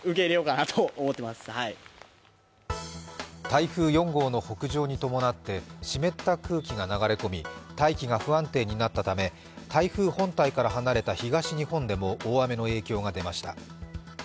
台風４号の北上に伴って湿った空気が流れ込み大気が不安定になったため台風本体から離れた東日本でも大雨の影響が出ました。